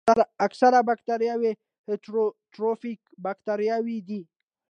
اکثره باکتریاوې هیټروټروفیک باکتریاوې دي.